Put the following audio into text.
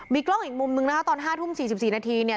มีกล้องอีกมุมหนึ่งนะคะตอนห้าทุ่มสี่สิบสี่นาทีเนี่ย